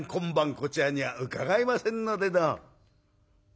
こちらには伺えませんのでどうも」。